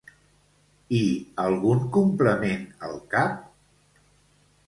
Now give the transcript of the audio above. I algun complement al cap?